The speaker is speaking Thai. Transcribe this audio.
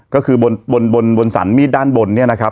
ก็คือบนบนสรรมีดด้านบนเนี่ยนะครับ